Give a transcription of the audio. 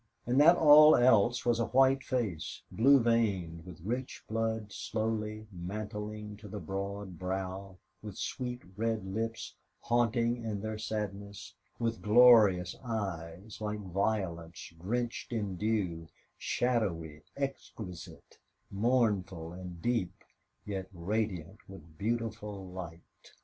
And that all else was a white face, blue veined, with rich blood slowly mantling to the broad brow, with sweet red lips haunting in their sadness, with glorious eyes, like violets drenched in dew, shadowy, exquisite, mournful and deep, yet radiant with beautiful light.